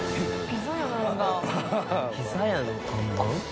ピザ屋の看板？